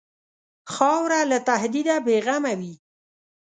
خاوره له تهدیده بېغمه وي.